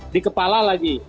di kepala lagi